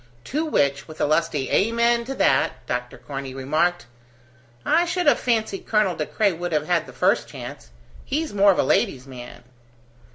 To which, with a lusty "Amen to that," Dr. Corney remarked: "I should have fancied Colonel De Craye would have had the first chance: he's more of a lady's man."